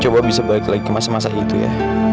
coba bisa balik lagi ke masa masa itu ya